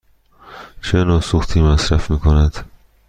چه نوع سوختی مصرف می کند؟